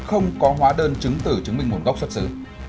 không có hóa đơn chứng tử chứng minh ngộ độc xuất xứ